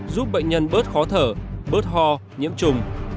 giúp bệnh nhân bớt khó thở bớt ho nhiễm trùng